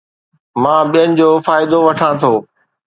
مان ٻين جو فائدو وٺان ٿو